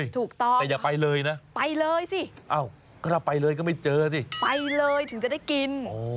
ถูกต้องแต่อย่าไปเลยนะไปเลยสิก็ถ้าไปเลยก็ไม่เจอสิไปเลยถึงจะได้กิน